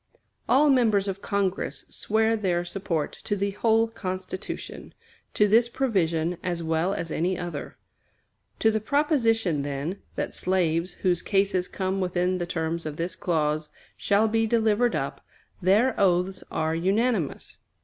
All members of Congress swear their support to the whole Constitution to this provision as well as any other. To the proposition, then, that slaves whose cases come within the terms of this clause "shall be delivered up," their oaths are unanimous.